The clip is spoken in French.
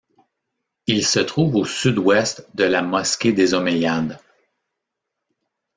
Il se trouve au sud-ouest de la mosquée des Omeyyades.